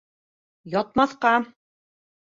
— Ятмаҫҡа!